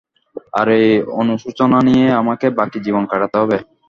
আর এই অনুশোচনা নিয়েই আমাকে বাকি জীবন কাটাতে হবে।